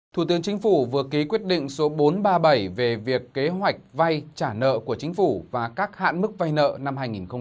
thủ tướng chính phủ vừa ký quyết định số bốn trăm ba mươi bảy về việc kế hoạch vay trả nợ của chính phủ và các hạn mức vay nợ năm hai nghìn hai mươi